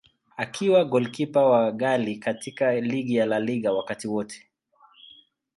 Akiwa golikipa wa ghali katika ligi ya La Liga wakati wote.